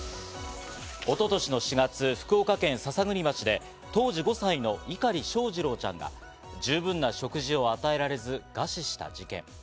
一昨年の４月、福岡県篠栗町で当時５歳の碇翔士郎ちゃんが十分な食事を与えられず餓死した事件。